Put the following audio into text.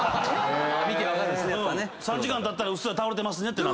「３時間たったらうっすら倒れてますね」